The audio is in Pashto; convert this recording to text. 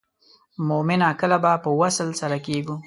مومنه کله به په وصل سره کیږو.